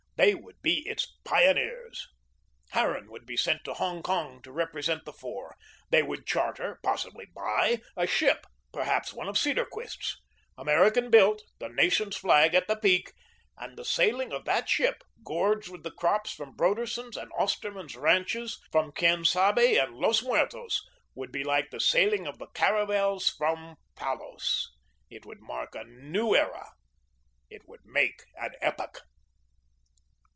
They would be its pioneers. Harran would be sent to Hong Kong to represent the four. They would charter probably buy a ship, perhaps one of Cedarquist's, American built, the nation's flag at the peak, and the sailing of that ship, gorged with the crops from Broderson's and Osterman's ranches, from Quien Sabe and Los Muertos, would be like the sailing of the caravels from Palos. It would mark a new era; it would make an epoch.